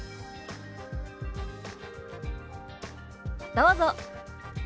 どうぞ。